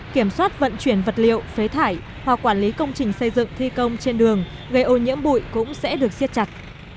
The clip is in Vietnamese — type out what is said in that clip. kiểm soát vận chuyển vật liệu phế thải hoặc quản lý công trình xây dựng thi công trên đường gây ô nhiễm bụi cũng sẽ được siết chặt